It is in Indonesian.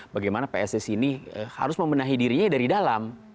bagaimana pssi ini harus membenahi dirinya dari dalam